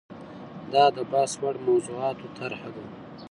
دا د بحث وړ موضوعاتو طرحه ده.